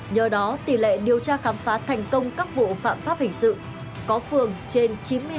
nhờ đó tỷ lệ điều tra khám phá thành công các vụ phạm pháp hình sự có phường trên chín mươi hai